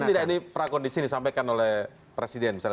mungkin tidak ini prakondisi yang disampaikan oleh presiden misalnya